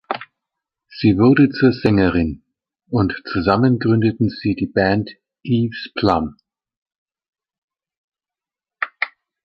Sie wurde zur Sängerin, und zusammen gründeten sie die Band Eve´s Plum.